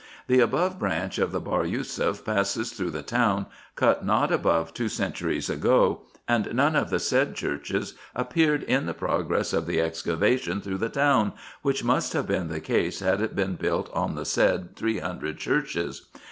The above branch of the Bahr Yousef passes through the town, cut not above two centuries ago ; and none of the said churches appeared in the progress of the excavation through the town, which must have been the case had it been built on the said three hundred churches.